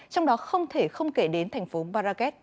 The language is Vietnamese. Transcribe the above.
trong đó không thể không kể đến thành phố marrage